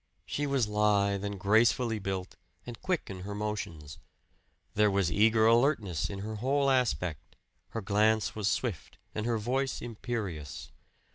She was lithe and gracefully built, and quick in her motions. There was eager alertness in her whole aspect; her glance was swift and her voice imperious.